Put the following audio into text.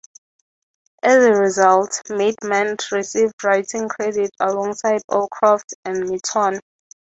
As a result, Maidment received writing credit alongside Allcroft and Mitton.